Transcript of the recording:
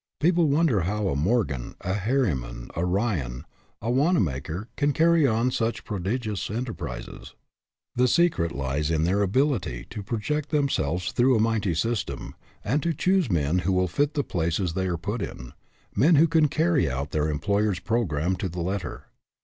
People wonder how a Morgan, a Harriman, a Ryan, a Wanamaker, can carry on such prodigious enterprises. The secret lies in their ability to project themselves through a mighty system, and to choose men who will fit the places they are put in, men who can carry out their employer's programme to the letter.